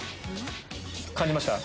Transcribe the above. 感じました？